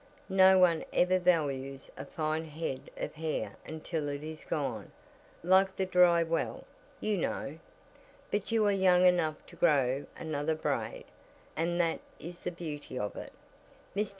No one ever values a fine head of hair until it is gone like the dry well, you know. But you are young enough to grow another braid, and that is the beauty of it. Mr.